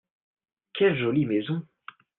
Quelle jolie maison !